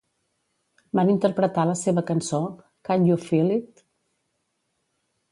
Van interpretar la seva cançó "Can You Feel It?".